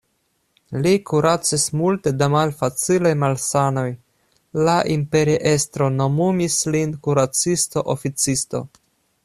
Li kuracis multe da malfacilaj malsanoj, la imperiestro nomumis lin kuracisto-oficisto.